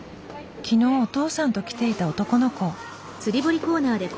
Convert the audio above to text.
昨日お父さんと来ていた男の子。